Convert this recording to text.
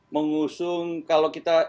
mengusung kalau kita